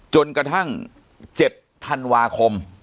จนกระทั่ง๗ธันวาคม